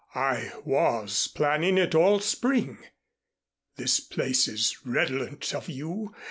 I was planning it all spring. This place is redolent of you.